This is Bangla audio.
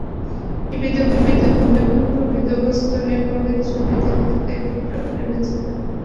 টিভিতে ভূমিকম্প বিধ্বস্ত নেপালের ছবি দেখে তাই ভীষণ খারাপ লেগেছে তাঁর।